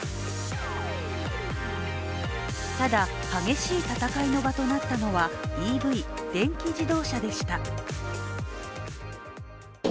ただ、激しい戦いの場となったのはＥＶ＝電気自動車でした。